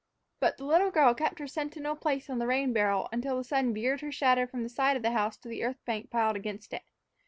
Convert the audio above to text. But the little girl kept her sentinel place on the rain barrel until the sun veered her shadow from the side of the house to the earth bank piled against it.